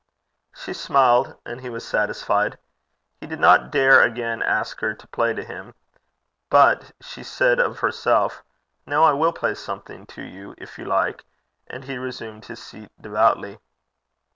She smiled, and he was satisfied. He did not dare again ask her to play to him. But she said of herself, 'Now I will play something to you, if you like,' and he resumed his seat devoutly.